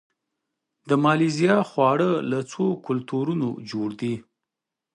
د مالیزیا خواړه له څو کلتورونو جوړ دي.